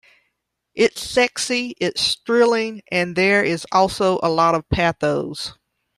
It's sexy, it's thrilling and there is also a lot of pathos.